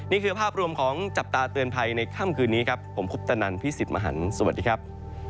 นี่คือภาพรวมของจับตาเตือนภัยในค่ำคืนนี้ครับผมคุปตนันพี่สิทธิ์มหันฯสวัสดีครับ